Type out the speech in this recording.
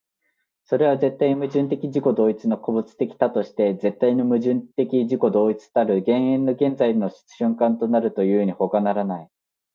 それは絶対矛盾的自己同一の個物的多として絶対の矛盾的自己同一たる永遠の現在の瞬間となるというにほかならない。